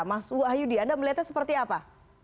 mas wahyudi anda melihatnya seperti apa